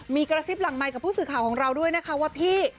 มีกระซิบหลังไมค์กับผู้สื่อข่าวของเราด้วยนะคะว่าพี่